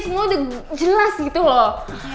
semua udah jelas gitu loh